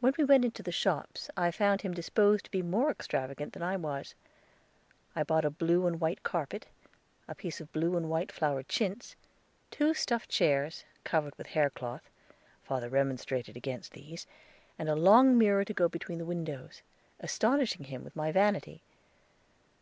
When we went into the shops, I found him disposed to be more extravagant than I was. I bought a blue and white carpet; a piece of blue and white flowered chintz; two stuffed chairs, covered with hair cloth (father remonstrated against these), and a long mirror to go between the windows, astonishing him with my vanity.